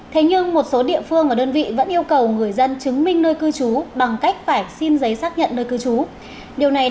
thế nhưng một số địa phương và đơn vị vẫn yêu cầu người dân chứng minh nơi cư trú bằng cách phải xin giấy xác nhận nơi cư trú